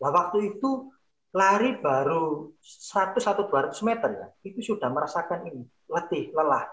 waktu itu lari baru seratus dua ratus meter itu sudah merasakan letih lelah